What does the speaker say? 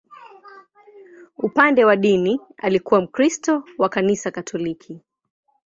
Upande wa dini, alikuwa Mkristo wa Kanisa Katoliki.